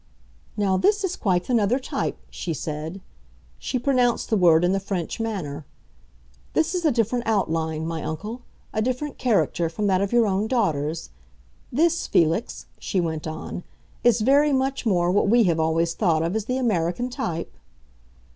"Now this is quite another type," she said; she pronounced the word in the French manner. "This is a different outline, my uncle, a different character, from that of your own daughters. This, Felix," she went on, "is very much more what we have always thought of as the American type."